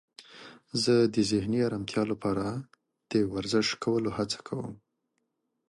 زه د ذهني آرامتیا لپاره د ورزش کولو هڅه کوم.